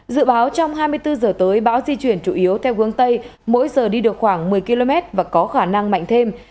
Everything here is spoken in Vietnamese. dự báo trong hai mươi bốn giờ tới bão di chuyển chủ yếu theo hướng tây mỗi giờ đi được khoảng một mươi km và có khả năng mạnh thêm